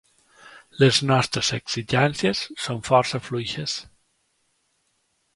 Les nostres exigències són força fluixes.